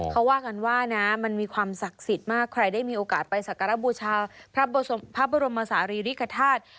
เขาว่ากันว่านะมันมีความศักดิ์สิทธิ์มากใครได้มีโอกาสไปสักการบูชาพระบรมศาลีริกฐาตุ